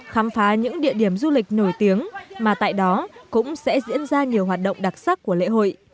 khám phá những địa điểm du lịch nổi tiếng mà tại đó cũng sẽ diễn ra nhiều hoạt động đặc sắc của lễ hội